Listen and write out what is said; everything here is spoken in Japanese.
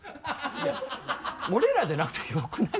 いや俺らじゃなくてよくない？